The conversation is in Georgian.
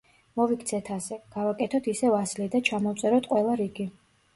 მოვიქცეთ ასე: გავაკეთოთ ისევ ასლი და ჩამოვწეროთ ყველა რიგი.